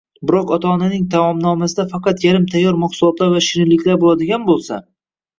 biroq ota-onaning taomnomasida faqat yarim tayyor mahsulotlar va shirinliklar bo‘ladigan bo‘lsa